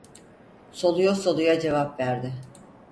Soluya soluya cevap verdi.